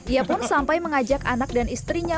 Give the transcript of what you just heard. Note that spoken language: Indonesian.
ia pun sampai mengajak anak dan istrinya